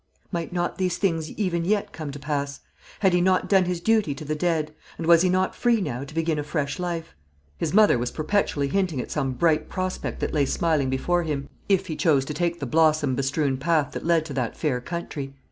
Might not these things even yet come to pass? Had he not done his duty to the dead; and was he not free now to begin a fresh life? His mother was perpetually hinting at some bright prospect that lay smiling before him, if he chose to take the blossom bestrewn path that led to that fair country.